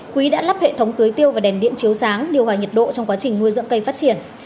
quỹ đã lắp hệ thống tưới tiêu và đèn điện chiếu sáng điều hòa nhiệt độ trong quá trình nuôi dưỡng cây phát triển